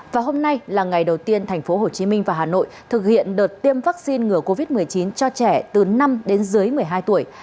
và hôm nay là ngày đầu tiên thành phố hồ chí minh và hà nội thực hiện đợt tiêm vaccine ngừa covid một mươi chín cho trẻ từ năm đến dưới một mươi hai tuổi